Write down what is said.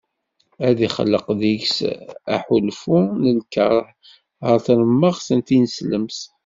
Ad d-ixleq deg-s aḥulfu n lkerh ɣer tremmeɣt tineslemt.